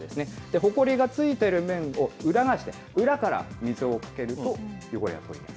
ホコリがついてる面を裏返して裏から水をかけると、汚れが取れます。